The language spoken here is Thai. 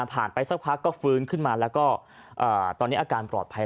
ไปสักพักก็ฟื้นขึ้นมาแล้วก็ตอนนี้อาการปลอดภัย